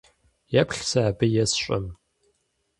Еплъ сэ абы есщӏэм.